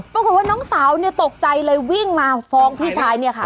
ปรากฏว่าน้องสาวเนี่ยตกใจเลยวิ่งมาฟ้องพี่ชายเนี่ยค่ะ